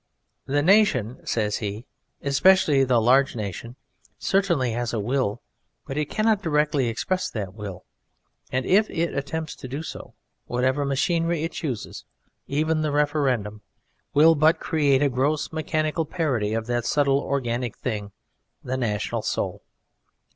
The nation" (says he), "especially the large nation, certainly has a Will, but it cannot directly express that Will. And if it attempts to do so, whatever machinery it chooses even the referendum will but create a gross mechanical parody of that subtle organic thing, the National soul.